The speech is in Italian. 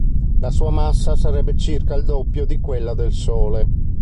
La sua massa sarebbe circa il doppio di quella del Sole.